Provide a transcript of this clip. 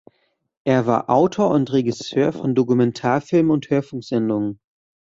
Er war Autor und Regisseur von Dokumentarfilmen und Hörfunksendungen.